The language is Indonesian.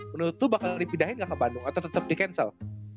menurut lu bakal dipindahin gak ke bandung atau tetep di cancel